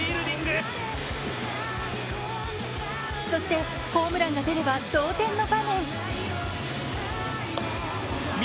そしてホームランが出れば同点の場面。